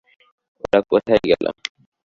ওরা কোথায় গেল?